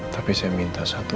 tapi saya minta satu hal ke kamu